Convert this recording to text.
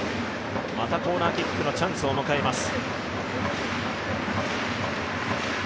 またコーナーキックのチャンスを迎えます。